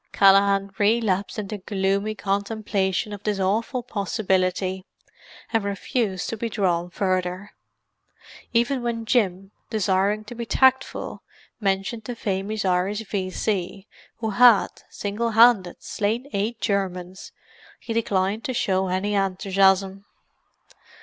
Callaghan relapsed into gloomy contemplation of this awful possibility, and refused to be drawn further. Even when Jim, desiring to be tactful, mentioned a famous Irish V.C. who had, single handed, slain eight Germans, he declined to show any enthusiasm.